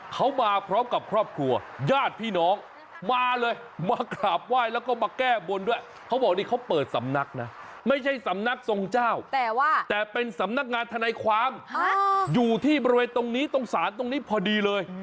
เขามาพร้อมกับครอบครัวญาติพี่น้องมาเลยมากราบไหว้แล้วก็มาแก้บนด้วยเขาบอกนี่เขาเปิดสำนักนะไม่ใช่สำนักทรงเจ้าแต่ว่าแต่เป็นสำนักงานทนายความอยู่ที่บริเวณตรงนี้ตรงศาลตรงนี้พอดีเลย